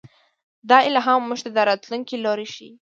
دا الهام موږ ته د راتلونکي لوری ښيي.